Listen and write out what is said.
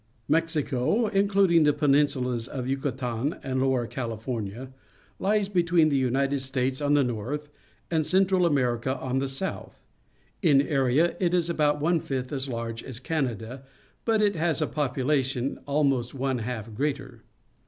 — Mexico, including the peninsulas of Yticatan and Lower California, hes between the United States on the north and Central America on the south. In area it is about one fifth as large as Canada, but it has a population almost one half greater.